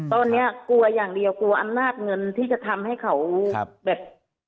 ตอนนี้กลัวอย่างเดียวกลัวอำนาจเงินที่จะทำให้เขาแบบ